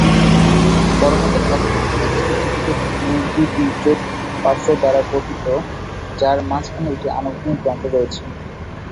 বড়ো হাতের অক্ষরটি একটি ত্রিভুজের দুইটি তির্যক পার্শ্ব দ্বারা গঠিত, যার মধ্যখানে একটি অনুভূমিক দণ্ড রয়েছে।